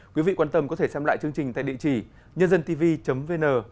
quý vị quan tâm có thể xem lại chương trình tại địa chỉ nhândântv vn